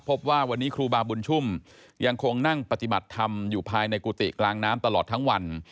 พบว่าวันนี้ครูบาบุญชุ่มยังคงนั่งปฏิบัติธรรมอยู่ภายในกุฏิกลางน้ำตลอดทั้งวัน